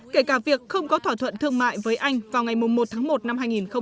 kể cả việc không có thỏa thuận thương mại với anh vào ngày một tháng một năm hai nghìn một mươi năm